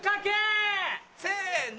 せの！